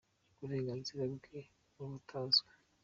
Uburenganzira bwe buhutazwa